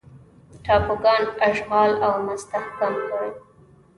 ټاپوګان اشغال او مستحکم کړي.